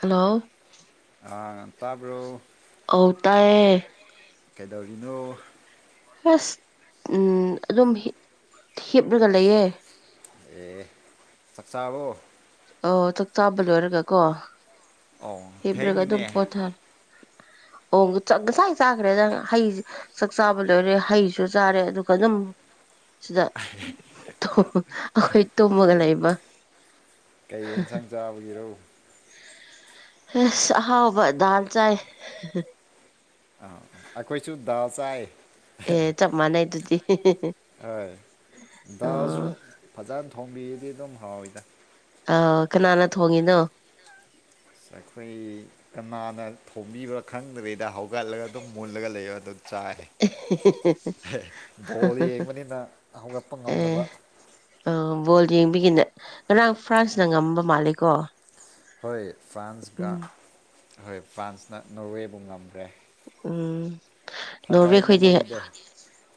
Hello ꯑꯣ ꯇꯥꯌꯦ ꯀꯩꯗꯧꯔꯤꯅꯣ ꯑꯁ ꯎꯝ ꯑꯗꯨꯝ ꯍꯤꯞ ꯍꯤꯞꯂꯒ ꯂꯩꯌꯦ ꯑꯦ ꯆꯛꯆꯥ ꯑꯕꯣ ꯑꯣ ꯆꯥꯛ ꯆꯥꯕ ꯂꯣꯏꯔꯒ ꯀꯣ ꯍꯤꯞꯔꯒ ꯑꯗꯨꯝ ꯄꯣꯊꯥꯏ ꯑꯣ ꯉꯥ ꯉꯁꯥꯏ ꯆꯥꯈ꯭ꯔꯦꯗ ꯍꯩ ꯆꯥꯛ ꯆꯥꯕ ꯂꯣꯏꯔꯦ ꯍꯩꯁꯨ ꯆꯥꯔꯦ ꯑꯗꯨꯒ ꯑꯗꯨꯝ ꯁꯤꯗ ꯊꯣ ꯑꯩꯈꯣꯏ ꯇꯨꯃꯒꯥ ꯂꯩꯕ ꯀꯩ ꯌꯦꯟꯁꯥꯡ ꯆꯥꯕꯒꯤꯔꯛꯎ ꯍ ꯍꯥꯎꯕ ꯜ ꯆꯥꯏ ꯑ ꯑꯩꯈꯣꯏꯁꯨ ꯗꯥ ꯆꯥꯏ ꯑꯦ ꯆꯞ ꯃꯥꯟꯅꯩ ꯍꯥꯏꯗꯗꯤ ꯍꯣꯏ ꯑꯣ ꯗꯥꯎꯁꯨ ꯐꯖꯅ ꯊꯣꯡꯕꯤꯗꯤ ꯑꯗꯨꯝ ꯍꯥꯎꯋꯤꯗ ꯑ ꯀꯅꯥꯅ ꯊꯣꯡꯉꯤꯅꯣ ꯁ ꯑꯩꯈꯣꯏ ꯀꯅꯥꯅ ꯊꯣꯡꯝꯕꯤꯕꯥ ꯈꯪꯗ꯭ꯔꯔꯤꯗ ꯍꯧꯒꯠꯂꯒ ꯑꯗꯨꯝ ꯃꯨꯜꯂꯒ ꯂꯩꯕ ꯑꯗꯨ ꯆꯥꯏ ꯍꯦ ꯕꯣꯜ ꯌꯦꯡꯕꯅꯤꯅ ꯍꯧꯒꯠꯄ ꯉꯝꯗꯕ ꯑ ꯕꯣꯜ ꯌꯦꯡꯕꯤꯒꯤꯅꯦ ꯉꯔꯥꯡ ꯐ꯭ꯔꯥꯟꯁꯅ ꯉꯝꯕ ꯃꯥꯜꯂꯦꯀꯣ ꯍꯣꯏ ꯐ꯭ꯔꯥꯟꯁꯀ ꯎꯝ ꯍꯣꯏ ꯐ꯭ꯔꯥꯟꯁꯅ ꯅꯣꯔꯋꯦꯕꯨ ꯉꯝꯈ꯭ꯔꯦ ꯎꯝ ꯐꯖꯩꯅꯦ ꯅꯣꯔꯋꯦ ꯈꯣꯏꯗꯤ ꯃꯣꯏꯒꯤꯗꯣ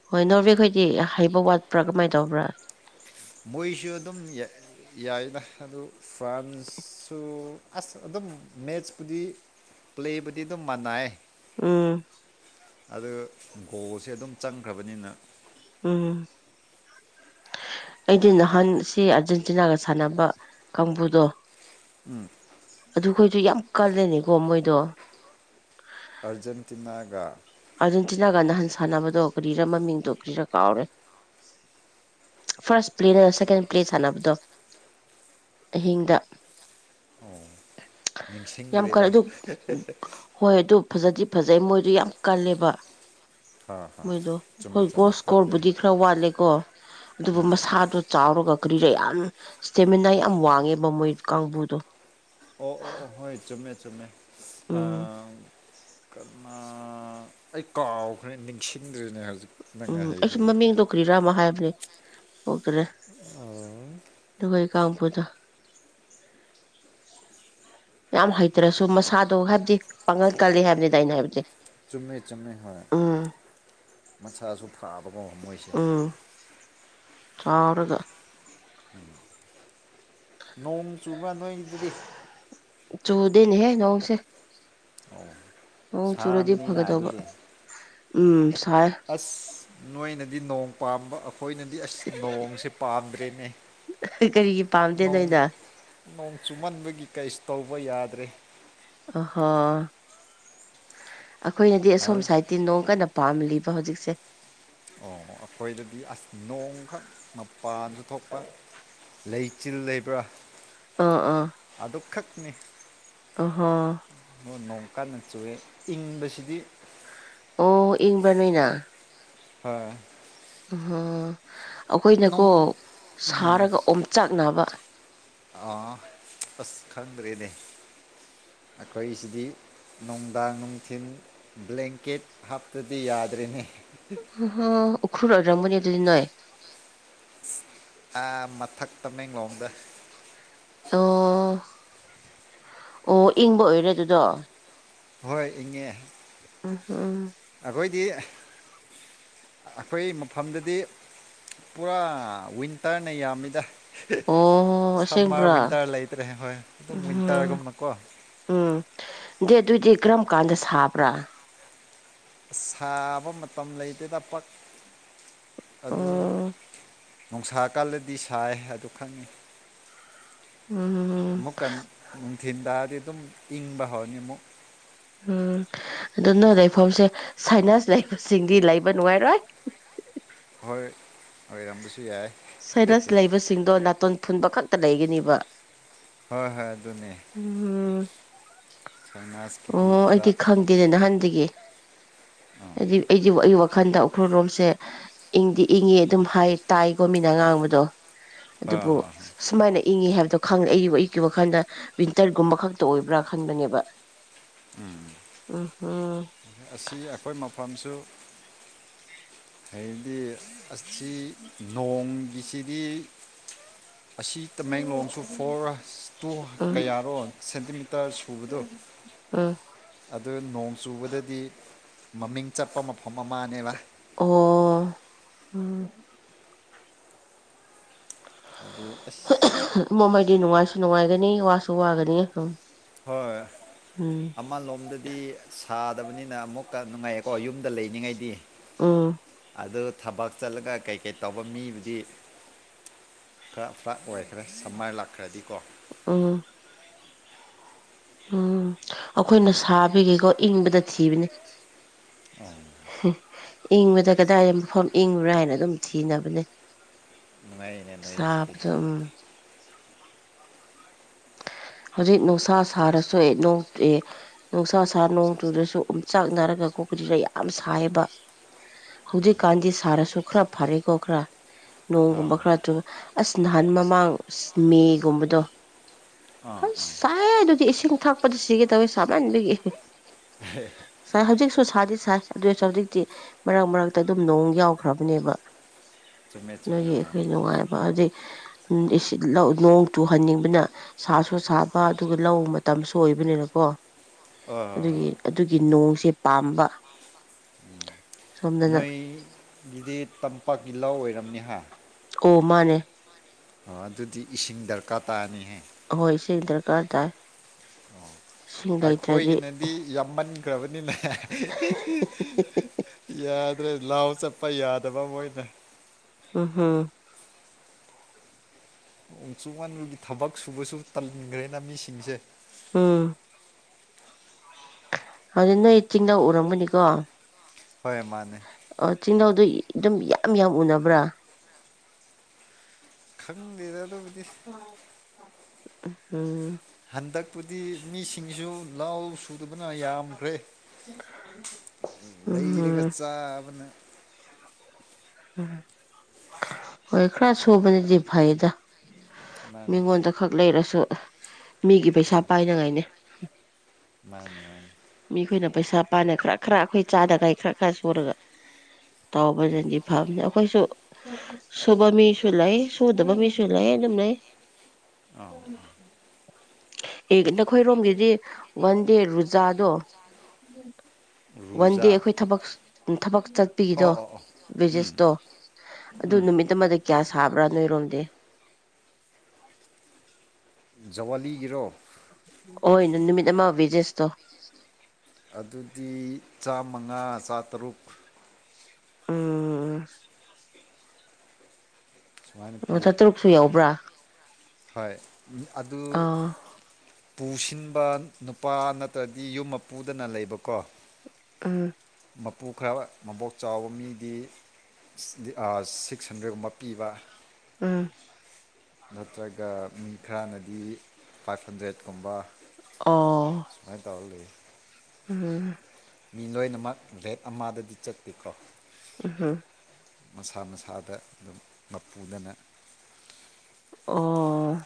ꯍꯣꯏ ꯅꯣꯔꯋꯦ ꯈꯣꯏꯗꯤ ꯍꯩꯕ ꯋꯥꯠꯄ꯭ꯔꯥ ꯀꯃꯥꯏꯅꯧ ꯇꯧꯕ꯭ꯔꯥ ꯃꯣꯏꯁꯨ ꯑꯗꯨꯝ ꯌꯥꯏꯅ ꯑꯗꯨ ꯐ꯭ꯔꯥꯟꯁꯁꯨ ꯑꯁ ꯑꯗꯨꯝ ꯑꯗꯨꯝ ꯃꯦꯠꯆꯄꯨꯗꯤ ꯄ꯭ꯂꯦꯕꯨꯗꯤ ꯑꯗꯨꯝ ꯃꯥꯟꯅ ꯎꯝ ꯑꯗꯨ ꯒꯣꯁꯦ ꯑꯗꯨꯝ ꯆꯪꯈ꯭ꯔꯕꯅꯤꯅ ꯎꯝ ꯑꯩꯗꯤ ꯅꯍꯥꯟ ꯁꯤ ꯑꯥꯔꯖꯦꯟꯇꯤꯅꯥꯒ ꯁꯥꯟꯅꯕ ꯀꯥꯡꯕꯨꯗꯣ ꯎꯝ ꯑꯗꯨꯈꯣꯏꯁꯨ ꯌꯥꯝ ꯀꯜꯂꯦꯅꯤꯀꯣ ꯃꯣꯏꯗꯣ ꯑꯔꯖꯦꯟꯇꯤꯅꯥꯒ ꯑꯥꯔꯖꯦꯟꯇꯤꯅꯥꯒ ꯅꯍꯥꯟ ꯁꯥꯟꯅꯕꯗꯣ ꯀꯔꯤꯔ ꯃꯃꯤꯡꯗꯣ ꯀ꯭ꯔꯤꯔꯥ ꯀꯥꯎꯔꯦ ꯐꯥꯔꯁ ꯄ꯭ꯂꯦꯠ ꯑ ꯁꯦꯀꯦꯟ ꯄ꯭ꯂꯦꯠ ꯁꯥꯟꯅꯕꯗꯣ ꯑꯍꯤꯡꯗ ꯑꯣ ꯌꯥꯝ ꯀꯔꯦ ꯅꯤꯡꯁꯤꯡꯗ꯭ꯔꯦꯗ ꯑꯗꯨ ꯍꯣꯏ ꯑꯗꯨ ꯐꯖꯗꯤ ꯐꯖꯩ ꯃꯣꯏꯗꯨ ꯌꯥꯝ ꯀꯜꯂꯦꯕ ꯍꯥ ꯍꯥ ꯃꯣꯏꯗꯣ ꯆꯨꯝꯃꯦ ꯑꯩꯈꯣꯏ ꯒꯣ ꯆꯨꯝꯃꯦ ꯀꯜꯂꯦ ꯁꯀꯣꯔꯕꯨꯗꯤ ꯈꯔ ꯋꯥꯠꯂꯦꯀꯣ ꯑꯗꯨꯕꯨ ꯃꯁꯥꯗꯨ ꯆꯥꯎꯔꯒ ꯀꯔꯦ ꯌꯥꯝ ꯏꯁꯇꯦꯃꯤꯅꯥ ꯌꯥꯝ ꯋꯥꯡꯉꯦꯕ ꯃꯣꯏ ꯀꯥꯡꯕꯨꯗꯣ ꯑꯣ ꯑꯣ ꯑꯣ ꯍꯣꯏ ꯆꯃꯦ ꯆꯃꯦ ꯑ ꯎꯝ ꯑꯩ ꯀꯥꯎꯈ꯭ꯔꯦ ꯅꯤꯡꯁꯤꯡꯗ꯭ꯔꯤꯅꯦ ꯍꯧꯖꯤꯛ ꯅꯪꯅ ꯎꯝ ꯑꯩꯁꯨ ꯍꯥꯏꯕꯒꯤ ꯃꯃꯤꯡ ꯇꯧ ꯀ꯭ꯔꯤꯔꯥꯃꯣ ꯍꯥꯏꯕꯅꯦ ꯑꯣꯒ꯭ꯔꯦ ꯑꯣ ꯑꯗꯨꯕꯩ ꯀꯥꯎꯄꯗ ꯌꯥꯝ ꯍꯩꯇ꯭ꯔꯁꯨ ꯃꯁꯥꯗꯣ ꯍꯥꯏꯕꯗꯤ ꯄꯥꯡꯉꯜꯀꯜꯂꯤ ꯍꯥꯏꯕꯅꯤꯗ ꯑꯏꯩꯅ ꯍꯥꯏꯕꯗꯤꯦ ꯆꯨꯝꯃꯦ ꯆꯨꯝꯃꯦ ꯍꯣꯏ ꯃꯁꯥꯁꯨ ꯐꯥꯕ ꯉ ꯉꯝꯃꯣꯏꯁꯦ ꯆꯥꯎꯥꯎꯔꯒ ꯎꯝ ꯅꯣꯡ ꯆꯨꯕ ꯅꯣꯏꯗꯨꯗꯤ ꯆꯧꯗꯤꯟ ꯍꯦ ꯅꯧꯁꯦ ꯑꯣ ꯍ ꯆꯨꯔꯗꯤ ꯁꯥꯔꯝꯃꯅꯤꯅ ꯐꯒꯗꯕ ꯑꯗꯨꯗꯤ ꯎꯝ ꯁꯥꯏ ꯑꯁ ꯅꯣꯏꯅꯗꯤ ꯅꯣꯡ ꯄꯥꯝꯕ ꯑꯩꯈꯣꯏꯅꯗꯤ ꯑꯁ ꯅꯣꯡꯁꯦ ꯄꯥꯝꯗ꯭ꯔꯦꯅꯦ ꯀꯔꯤꯒꯤ ꯄꯥꯝꯗꯦ ꯣꯡ ꯅꯣꯏꯅ ꯅꯣꯡ ꯆꯨꯝꯃꯟꯕꯒꯤ ꯀꯩꯁꯨ ꯇꯧꯕ ꯌꯥꯗ꯭ꯔꯦ ꯑꯍ ꯑꯩꯈꯣꯏꯅꯗꯤ ꯑꯁꯣꯝ ꯑꯗꯨ ꯁꯥꯏꯠꯇꯤ ꯅꯣꯡ ꯀꯟꯅ ꯄꯥꯝꯂꯤꯕ ꯍꯧꯖꯤꯛꯁꯦ ꯑꯣ ꯑꯩꯈꯣꯏꯗꯗꯤ ꯑꯁ ꯅꯣꯡꯈꯛ ꯃꯄꯥꯟꯁꯨ ꯊꯣꯛꯄ ꯂꯩ ꯆꯤꯜ ꯂꯩꯕ꯭ꯔꯥ ꯑꯥ ꯑꯥ ꯁꯅꯤ ꯑꯍꯣ ꯀꯟꯅ ꯆꯨꯏꯦ ꯏꯪꯕꯁꯤꯗꯤ ꯑꯣ ꯏꯤꯡꯕ ꯅꯨꯏꯅꯥ ꯍꯣꯏ ꯎꯍ ꯑꯈꯣꯏꯅꯀꯣ ꯅꯣꯡ ꯎꯝ ꯁꯥꯔꯒ ꯑꯣꯝꯆꯥꯛ ꯅꯥꯕ ꯑꯥ ꯑꯁ ꯈꯪꯗ꯭ꯔꯦꯅꯦ ꯑꯩꯈꯣꯏꯁꯤꯗꯤ ꯅꯨꯡꯗꯥꯡ ꯅꯨꯡꯊꯤꯟ ꯕ꯭ꯂꯦꯡꯀꯦꯠ ꯍꯥꯞꯇꯗꯤ ꯌꯥꯗ꯭ꯔꯤꯅꯦ ꯍꯝ ꯍꯝ ꯎꯈ꯭ꯔꯨꯜ ꯑꯣꯏꯔꯝꯒꯅꯤꯗꯨꯗꯤ ꯅꯣꯏ ꯑ ꯃꯊꯛ ꯇꯃꯦꯡꯂꯣꯡꯗ ꯑꯣ ꯑꯣ ꯏꯪꯕ ꯑꯣꯏꯔꯦ ꯑꯗꯨꯗꯣ ꯍꯣꯏ ꯏꯤꯡꯉꯦ ꯎꯝ ꯍꯝ [unintelligible] ꯑꯈꯣꯏ ꯃꯐꯝꯗꯗꯤ ꯄꯨꯔꯥ ꯋꯤꯟꯇꯔꯅ ꯌꯥꯝꯃꯤꯗ ꯑꯣ ꯁꯝꯃꯔ ꯑꯁꯦꯡꯕ꯭ꯔꯥ ꯋꯤꯟꯇꯔ ꯂꯩꯇ꯭ꯔꯦ ꯍꯣꯏ ꯑꯗꯨꯝ ꯎꯝ ꯋꯤꯟꯇꯔꯒꯨꯝꯕꯀꯣ [unintelligible] ꯎꯝ ꯗꯦ ꯗꯨꯗꯤ ꯀꯔꯝ ꯀꯥꯟꯗ ꯁꯥꯕ꯭ꯔꯥ ꯁꯥꯕ ꯃꯇꯝ ꯂꯩꯇꯦꯗ ꯄꯛ ꯑꯗꯨ ꯎꯝ ꯅꯨꯡꯁꯥ ꯀꯜꯂꯗꯤ ꯁꯥꯏ ꯑꯗꯨ ꯈꯪꯉꯤ ꯎꯝ ꯑꯃꯨꯛꯀ ꯅꯨꯡꯊꯤꯟ ꯇꯥꯔꯗꯤ ꯑꯗꯨꯝ ꯏꯤꯡꯕ ꯍꯧꯔꯅꯤ ꯑꯃꯨꯛ ꯎꯝ ꯎꯝ ꯑꯗꯨ ꯅꯣ ꯂꯩꯐꯝꯁꯦ ꯁꯥꯏꯅꯥꯁ ꯂꯩꯕꯁꯤꯡꯗꯤ ꯂꯩꯕ ꯅꯨꯡꯉꯥꯏꯔꯣꯏ ꯍꯣꯏ ꯑꯣꯏꯔꯝꯕꯁꯨ ꯌꯥꯏ ꯁꯥꯏꯅꯁ ꯂꯩꯕꯁꯤꯡꯗꯣ ꯅꯥꯇꯣꯟ ꯐꯨꯟꯕ ꯈꯛꯇ ꯂꯩꯒꯅꯤꯕ ꯍꯣꯏ ꯍꯣꯏ ꯑꯗꯨꯅꯦ ꯎꯝ ꯁꯥꯏꯅꯥꯁꯀꯤꯗꯤ ꯑꯣ ꯈꯔ ꯑꯩꯗꯤ ꯈꯪꯗꯦ ꯅꯍꯥꯟꯗꯒꯤ ꯑꯩꯗꯤ ꯑꯩꯗꯤ ꯋꯥ ꯑꯩꯗꯤ ꯋꯥꯛ ꯈꯟꯗ ꯎꯈ꯭ꯔꯨꯜ ꯔꯣꯝꯁꯦ ꯏꯪꯗꯤ ꯏꯪꯉꯤ ꯑꯗꯨꯝ ꯍꯥꯏ ꯇꯥꯏꯀꯣ ꯃꯤꯅ ꯉꯥꯡꯕꯗꯣ ꯍꯣꯏ ꯑꯗꯨꯕꯨ ꯍꯣꯏ ꯁꯨꯃꯥꯏꯅ ꯏꯡꯉꯤ ꯍꯥꯏꯕꯗꯣ ꯈꯪ ꯑꯩ ꯑꯩꯒꯤ ꯋꯥꯈꯟꯗ ꯋꯤꯟꯇꯔꯒꯨꯝꯕ ꯈꯛꯇ ꯑꯣꯏꯕ꯭ꯔꯥ ꯈꯟꯕꯅꯦꯕ ꯎꯝ ꯎꯝ ꯎꯝ ꯑꯁꯤ ꯑꯈꯣꯏ ꯃꯐꯝꯁꯨ ꯍꯥꯏꯑꯗꯤ ꯑꯁꯤ ꯅꯣꯡꯒꯤꯁꯤꯗꯤ ꯑꯁꯤ ꯇꯃꯦꯡꯂꯣꯡꯁꯨ ꯐꯣꯔ ꯔꯁ ꯇꯣ ꯎꯝ ꯀꯌꯥꯔꯣ ꯁꯦꯟꯇꯤꯃꯤꯇꯔ ꯁꯨꯕꯗꯣ ꯎꯝ [unintelligible] ꯑꯗꯨ ꯅꯣꯡ ꯆꯨꯕꯗꯗꯤ ꯃꯃꯤꯡ ꯆꯠꯄ ꯃꯐꯝ ꯑꯃꯅꯦꯕ ꯑꯣ ꯎꯝ ꯑꯗꯨ ꯑꯁ ꯃꯣꯃꯩꯗꯤ ꯅꯨꯡꯉꯥꯏꯁꯨ ꯅꯨꯡꯉꯥꯏꯒꯅꯤ ꯋꯥꯁꯨ ꯋꯥꯒꯅꯤ ꯍꯣꯏ ꯑꯃ ꯂꯣꯝꯗꯗꯤ ꯁꯥꯗꯕꯅꯤꯅ ꯑꯃꯨꯛ ꯀ ꯅꯨꯡꯉꯥꯏꯌꯦꯀꯣ ꯌꯨꯝꯗ ꯂꯩꯅꯤꯡꯉꯩꯗꯤ ꯑꯝ ꯑꯗꯨ ꯊꯕꯛ ꯆꯠꯂꯒ ꯀꯩꯀꯩ ꯇꯧꯕ ꯃꯤꯕꯨꯗꯤ ꯈꯔ ꯐꯂꯥ ꯑꯣꯏꯈ꯭ꯔꯦ ꯁꯝꯃꯥꯏ ꯂꯥꯛꯈ꯭ꯔꯗꯤ ꯀꯣ ꯎꯝ ꯎꯝ ꯑꯈꯣꯏꯅ ꯁꯥꯕꯤꯒꯦꯀꯣ ꯏꯪꯕꯗ ꯊꯤꯕꯅꯤ ꯑꯣ ꯍꯝ ꯏꯤꯡꯕꯗ ꯀꯗꯥꯏꯗꯩ ꯃꯐꯝ ꯏꯤꯡꯕ꯭ꯔꯥ ꯍꯥꯏꯅ ꯑꯗꯨꯝ ꯊꯤꯅꯕꯅꯟ ꯅꯨꯡꯉꯥꯏꯔꯦꯅꯦ ꯅꯣꯏꯁꯤ [unintelligible] ꯍꯧꯖꯤꯛ ꯅꯨꯡꯁꯥ ꯁꯥꯔꯁꯨ ꯑꯦ ꯅꯣꯡ ꯑꯦ ꯇꯨꯑꯦ ꯅꯨꯡꯁꯥ ꯁꯥꯔ ꯅꯣꯡꯇꯨꯗ꯭ꯔꯁꯨ ꯑꯨꯝꯆꯥꯛꯅꯥꯔꯒ ꯄꯨꯗꯨꯔꯩ ꯌꯥꯝ ꯁꯥꯏꯌꯦꯕ ꯍꯧꯖꯤꯛꯀꯥꯟꯗꯤ ꯁꯥꯔꯁꯨ ꯈꯔ ꯐꯔꯦꯀꯣ ꯈꯔ ꯑꯥ ꯅꯣꯡꯒꯨꯝꯕ ꯈꯔ ꯇ ꯑꯁ ꯅꯍꯥꯟ ꯃꯃꯥꯡ ꯑ ꯃꯦꯒꯨꯝꯕꯗꯣ ꯑꯥ ꯍꯣꯏ ꯆꯥꯏ ꯑꯗꯨꯗꯤ ꯏꯁꯤꯡ ꯊꯛꯄꯗ ꯁꯤꯒꯦ ꯇꯧꯋꯤ ꯁꯃꯟꯕꯤꯒꯤ ꯍ ꯁꯥꯏ ꯍꯧꯖꯤꯛꯁꯨ ꯁꯥꯗꯤ ꯁꯥꯏ ꯑꯗꯨꯑꯣꯏꯁꯨ ꯍꯧꯖꯤꯛꯇꯤ ꯃꯔꯛ ꯃꯔꯛꯇ ꯑꯗꯨꯝ ꯅꯣꯡ ꯌꯥꯎꯈ꯭ꯔꯕꯅꯦꯕ [unintelligible] ꯑꯗꯨꯒꯤ ꯃꯥꯅꯦ ꯑꯩꯈꯣꯏ ꯅꯨꯡꯉꯥꯏꯕ ꯑꯗꯨꯩ ꯅꯣꯡ ꯆꯨꯍꯟꯅꯤꯡꯕꯅ ꯁꯥꯁꯨ ꯁꯥꯕ ꯑꯗꯨꯒ ꯂꯧ ꯃꯇꯝꯁꯨ ꯑꯣꯏꯕꯅꯤꯅꯀꯣ ꯑꯣ ꯍ ꯑꯗꯨꯒꯤ ꯍ ꯑꯗꯨꯒꯤ ꯅꯣꯡꯁꯦ ꯄꯥꯝꯕ ꯁꯣꯝꯗꯅ ꯑꯩ ꯇꯝꯄꯥꯛꯀꯤ ꯂ ꯑꯣꯏꯔꯝꯅꯤ ꯍꯥꯏ ꯑꯣ ꯃꯥꯅꯦ ꯑꯣ ꯑꯗꯨꯗꯤ ꯏꯁꯤꯡ ꯗꯔꯀꯥꯔ ꯇꯥꯔꯅꯤꯍꯦ ꯍꯣꯏ ꯁꯤ ꯏꯗꯔ ꯀꯔꯗ ꯑꯩꯈꯣꯏꯒꯤꯅꯗꯤ ꯌꯥꯝꯃꯟ ꯭ꯔꯕꯅꯤꯅꯥ ꯌꯥ ꯑꯗꯨ꯭ꯔ ꯂꯥꯎ ꯆꯠꯄ ꯌꯥꯗꯕ ꯃꯣꯏꯅ ꯎ ꯍꯝ ꯎꯣꯡꯆꯨ ꯉꯂꯨꯒꯤ ꯊꯕꯛ ꯁꯨꯕꯁꯨ ꯇꯟꯈ꯭ꯔꯦꯅ ꯃꯤꯁꯤꯡꯁꯦ ꯎꯝ ꯑꯗꯨ ꯅꯣꯏ ꯆꯤꯡꯗ ꯎꯔꯝꯒꯅꯤꯀꯣ ꯍꯣꯏ ꯃꯥꯅꯦ ꯑ ꯇꯤꯜꯍꯧꯗꯨ ꯑꯗꯨꯝ ꯌꯥꯝ ꯌꯥꯝ ꯎꯅꯕ꯭ꯔꯥ ꯈꯟ ꯑꯗꯨꯣ ꯎꯝ ꯍꯟꯗꯛꯄꯨꯗꯤ ꯃꯤꯁꯤꯡꯁꯨ ꯂ ꯁꯨꯗꯕꯅ ꯌꯥꯝꯈ꯭ꯔꯦ ꯂꯩꯔꯒ ꯎꯝ ꯆꯥꯕꯅ ꯑꯦꯈꯔ ꯁꯨꯕꯅꯦꯗꯤ ꯐꯥꯏꯗ ꯃꯥꯅꯤ ꯃꯤꯉꯣꯟꯗ ꯈꯛ ꯂꯩꯔꯁꯨ ꯃꯤꯒꯤ ꯄꯩꯁꯥ ꯍꯣꯏ ꯄꯥꯏꯅꯉꯥꯏꯅꯦ ꯃꯥꯅꯤ ꯃꯥꯅꯤ ꯃꯤꯈꯣꯏꯅ ꯄꯩꯁꯥ ꯄꯥꯅ ꯈꯔ ꯈꯔ ꯑꯩꯈꯣꯏ ꯆꯥꯗꯒꯥꯏ ꯈꯔ ꯈꯔ ꯁꯨꯔꯒ ꯇꯥꯎꯕꯗꯗꯤ ꯑꯩꯈꯣꯏꯁꯨ ꯁꯨꯕ ꯃꯤꯁꯨ ꯂꯩ ꯁꯨꯗꯕ ꯃꯤꯁꯨ ꯂꯩ ꯑꯗꯨꯝ ꯂꯩ ꯑꯥ ꯍ ꯑꯦ ꯅꯈꯣꯏꯔꯣꯝꯒꯤꯗꯤ ꯋꯥꯟ ꯗꯦ ꯔꯨꯖꯥꯗꯣ ꯋꯥꯟ ꯗꯦ ꯔꯨꯖꯥ ꯑꯩꯈꯣꯏ ꯊꯕꯛ ꯊꯕꯛ ꯆꯠꯄꯤꯒꯤꯗꯣ ꯑꯣ ꯑꯣ ꯑꯣ ꯎꯝ ꯚꯖꯤꯁꯇꯣ ꯑꯗꯨ ꯎꯝ ꯅꯨꯃꯤꯠ ꯑꯃ ꯀꯌꯥ ꯁꯥꯕꯔꯅ ꯔꯣꯗ ꯖꯋꯥꯂꯤꯒꯤꯔꯣ ꯍꯅ ꯅꯨꯃꯤꯠ ꯑꯃꯕꯤꯦꯖꯦꯁꯇꯣ ꯑꯗꯨꯗꯤ ꯆꯥꯃꯉꯥ ꯆꯥꯇꯔꯨꯛ ꯎ ꯁꯨꯃꯥꯏꯅ ꯄꯤꯌꯦ ꯃꯊ ꯇꯔꯨꯛꯁꯨ ꯌꯥꯎꯕ꯭ꯔꯥ ꯍꯣꯏ ꯑꯗꯨ ꯄꯨꯁꯤꯟꯕ ꯅꯨꯄꯥ ꯅꯠꯇ꯭ꯔꯗꯤ ꯌꯨꯝ ꯃ ꯄꯨꯗꯅ ꯂꯩꯕꯀꯣ ꯑꯥ ꯃꯄꯨ ꯈꯔ ꯃꯕꯣꯛ ꯆꯥꯎꯕ ꯃꯤꯗꯤ ꯁꯤꯛꯁ ꯍꯟꯗ꯭ꯔꯦꯗꯀꯨꯝꯕ ꯄꯤꯕ ꯎꯝ ꯅꯠꯇ꯭ꯔꯒ ꯃꯤ ꯈꯔꯅꯗꯤ ꯐꯥꯏꯚ ꯍꯟꯗ꯭ꯔꯦꯠꯀꯨꯝꯕ ꯑꯣ ꯍ ꯇꯍꯜꯂꯤ ꯎꯝ ꯃꯤ ꯂꯣꯏꯅꯃꯛ ꯔꯦꯠ ꯑꯃꯗꯗꯤ ꯆꯠꯄꯤꯈ꯭ꯔꯣ ꯍꯥ ꯃꯁꯥ ꯃꯁꯥꯗ ꯑꯗꯨꯝ ꯃꯄꯨꯗꯅ ꯑꯣ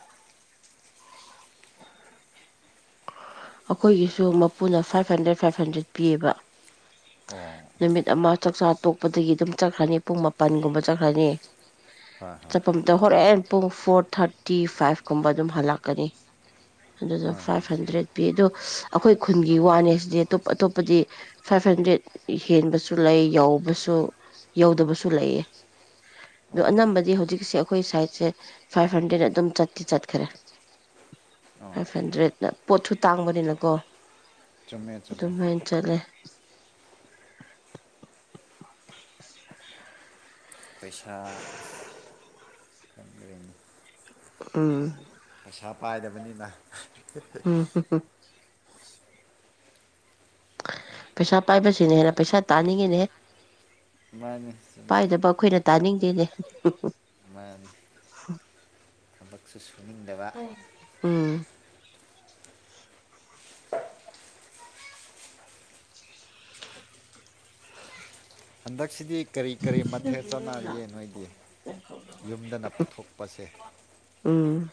ꯑꯩꯈꯣꯏꯒꯤꯁꯨ ꯃꯄꯨꯅ ꯐꯥꯏꯚ ꯍꯟꯗ꯭ꯔꯦꯠ ꯐꯥꯏꯚ ꯍꯟꯗ꯭ꯔꯦꯠ ꯄꯤꯌꯦꯕ ꯑꯣ ꯅꯨꯃꯤꯠ ꯑꯃ ꯆꯥꯛꯆꯥ ꯇꯣꯛꯄꯗꯒꯤ ꯑꯗꯨꯝ ꯆꯠꯈ꯭ꯔꯅꯤ ꯄꯨꯡ ꯃꯥꯄꯟꯒꯨꯝꯕ ꯆꯠꯈ꯭ꯔꯅꯤ ꯍꯣꯏ ꯆꯠꯐꯝꯇ ꯍꯣꯔꯛꯑꯦ ꯄꯨꯡ ꯐꯣꯔ ꯊꯥꯔꯇꯤ ꯐꯥꯏꯚ ꯀꯨꯝꯕ ꯑꯗꯨꯝ ꯍꯜꯂꯛꯀꯅꯤ ꯑꯗꯨꯗ ꯍꯣꯏ ꯍꯣꯏ ꯍꯣꯏ ꯐꯥꯏꯚ ꯆꯨꯝꯃꯦ ꯍꯟꯗ꯭ꯔꯦꯠ ꯄꯤ ꯑꯗꯣ ꯑꯩꯈꯣꯏ ꯈꯨꯟꯒꯤ ꯋꯥꯅꯦꯁꯤꯗꯤ ꯑꯇꯣꯞ ꯑꯇꯣꯞꯄꯗꯤ ꯐꯥꯏꯚ ꯍꯟꯗ꯭ꯔꯦꯗ ꯍꯦꯟꯕꯁꯨ ꯂꯩ ꯌꯥꯎꯕꯁꯨ ꯌꯧꯗꯕꯁꯨ ꯂꯩꯌꯦ ꯑꯗ ꯑꯣ ꯑꯣ ꯑꯅꯝꯕꯗꯤ ꯍꯧꯖꯤꯛꯁꯦ ꯑꯩꯈꯣꯏ ꯁꯥꯏꯠꯁꯦ ꯐꯥꯏꯚ ꯍꯟꯗ꯭ꯔꯦꯠ ꯑꯗꯨꯝ ꯆꯠꯇꯤ ꯆꯠꯈ꯭ꯔꯦ [unintelligible] [inaudible] ꯑꯣ ꯐꯥꯏꯚ ꯍꯟꯗ꯭ꯔꯦꯠ ꯄꯣꯊ ꯇꯥꯡꯕꯅꯤꯅꯀꯣ ꯆꯨꯝꯃꯦ ꯆꯨꯝꯃꯦ ꯑꯗꯨꯃꯥꯏꯅ ꯆꯠꯂꯦ [unintelligible] [inaudible] ꯄꯩꯁꯥ ꯈꯪꯅꯤ ꯎꯝ ꯄꯩꯁꯥ ꯄꯥꯏꯗꯕꯅꯤꯅ ꯎꯝ ꯍ ꯄꯩꯁꯥ ꯄꯥꯏꯕꯁꯤꯅꯦ ꯍꯦꯟꯅ ꯄꯩꯁꯥ ꯇꯥꯅꯤꯡꯉꯤꯅꯦꯍ ꯃꯥꯅꯤ ꯆꯨꯝꯃꯤ ꯄꯥꯏꯗꯕ ꯑꯩꯈꯣꯏꯅ ꯇꯥꯅꯤꯡꯗꯦꯅꯦ ꯃꯥ ꯊꯕꯛꯁꯨ ꯁꯨꯅꯤꯡꯗꯕ ꯎꯝ ꯑꯟꯗꯁꯤꯗꯤ ꯀꯔꯤ ꯀꯔꯤ ꯃꯊꯦꯜ ꯆꯠꯅꯔꯤꯌꯦ ꯅꯣꯏꯗꯤ ꯌꯨꯝꯗꯅ ꯄꯨꯊꯣꯛꯄꯁꯦ ꯑꯝ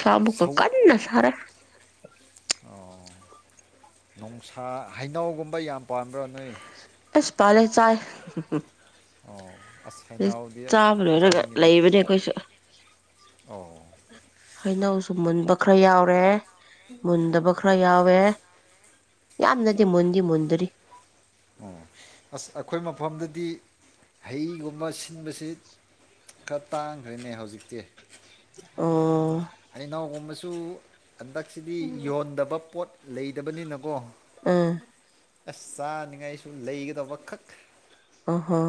ꯁꯕꯨ ꯀ ꯁꯧ ꯀꯟꯅ ꯁꯔꯦ ꯑꯣ ꯅꯨꯡꯁꯥ ꯍꯩꯅꯧꯒꯨꯝꯕ ꯌꯥꯝ ꯄꯥꯝꯕ꯭ꯔꯥ ꯅꯣꯏ ꯑꯁ ꯄꯂꯦ ꯆꯥꯏ ꯑꯣ ꯑꯁ ꯍꯩꯅꯧꯗꯤ ꯆꯥꯕ ꯂꯣꯏꯔꯒ ꯆꯥꯅꯤꯡꯉꯤꯅꯦ ꯂꯩꯕꯅꯦ ꯑꯩꯈꯣꯏꯁꯨ ꯑꯣ ꯍꯩꯅꯧꯁꯨ ꯃꯨꯟꯕ ꯈꯔ ꯌꯥꯎꯔꯦ ꯃꯨꯟꯗꯕ ꯈꯔ ꯌꯥꯎꯋꯦ ꯌꯥꯝꯅꯗꯤ ꯃꯨꯟꯗꯤ ꯃꯨꯟꯗꯔꯤ ꯑꯣ ꯑꯁ ꯑꯩꯈꯣꯏ ꯃꯐꯝꯗꯗꯤ ꯍꯩꯒꯨꯝꯕ ꯁꯤꯟꯕꯁꯤ ꯈꯔ ꯇꯥꯡꯈ꯭ꯔꯦꯅꯦ ꯍꯧꯖꯤꯛꯇꯤ ꯑꯣ ꯑꯩ ꯏꯅꯥꯎꯒꯨꯝꯕꯁꯨ ꯍꯟꯗꯛꯁꯤꯗꯤ ꯌꯣꯟꯗꯕ ꯄꯣꯠ ꯂꯩꯇꯕꯅꯤꯅꯀꯣ ꯑ ꯑꯁ ꯆꯥꯅꯤꯡꯉꯥꯏꯁꯨ ꯂꯩꯒꯗ ꯋꯥꯈꯛ ꯑ ꯍ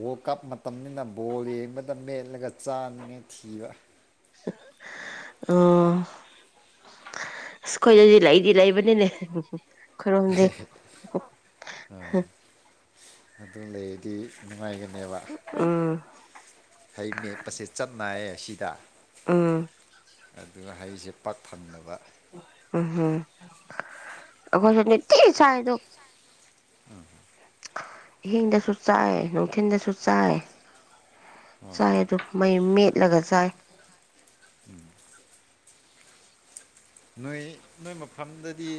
ꯋꯥꯔꯜ ꯀꯞ ꯃꯇꯝꯅꯤꯅ ꯕꯣꯜ ꯌꯦꯡꯕꯗ ꯃꯦꯠꯂꯒ ꯆꯥꯅꯤꯡꯉꯥꯏ ꯊꯤꯕ ꯑꯣ ꯑ ꯈꯈꯣꯏꯗꯗꯤ ꯂꯩꯗꯤ ꯂꯩꯕꯅꯤꯅꯦ ꯈꯨꯔꯨꯝꯗꯦ ꯑꯗꯨ ꯂꯩ ꯗꯤ ꯅꯨꯡꯉꯥꯏꯒꯅꯦꯕ ꯎꯝ ꯍꯩ ꯃꯦꯠꯄꯁꯦ ꯆꯞ ꯃꯅꯥꯏꯌꯦ ꯁꯤꯗ ꯎꯝ ꯑꯗꯨꯅ ꯍꯥꯏꯔꯤꯁꯦ ꯄꯥꯛ ꯊꯅꯕ ꯎꯝꯝꯈꯣꯏꯁꯠꯇ ꯁꯥꯏꯔ [unintelligible] ꯑꯍꯤꯡꯗꯁꯨ ꯆꯥꯏ ꯅꯨꯡꯊꯤꯟꯗꯁꯨ ꯆꯥꯏ ꯆꯥꯏ ꯑꯗꯨ ꯃꯩ ꯃꯦꯠꯂꯒ ꯆꯥꯏ꯫ [unintelligible] ꯅꯣꯏ ꯅꯣꯏ ꯃꯐꯝꯗꯗꯤ